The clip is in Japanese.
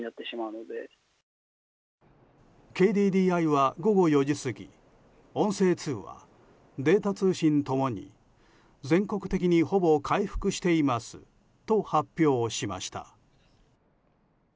ＫＤＤＩは午後４時過ぎ音声通話、データ通信共に全国的に、ほぼ回復していますと発表しました。